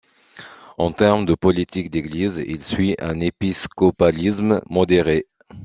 En termes de politique d'église, il suit un épiscopalisme modéré.